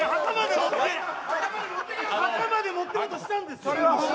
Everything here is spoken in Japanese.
墓まで持ってこうとしたんです。